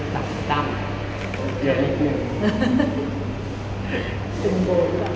จริง